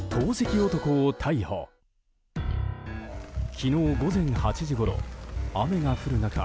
昨日午前８時ごろ雨が降る中